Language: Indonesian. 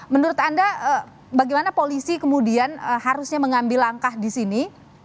menurut anda bagaimana polisi kemudian harusnya mengambil langkah di sini